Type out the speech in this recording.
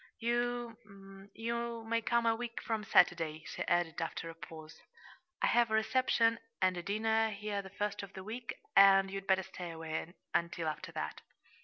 You you may come a week from Saturday," she added, after a pause. "I have a reception and a dinner here the first of the week, and you'd better stay away until after that."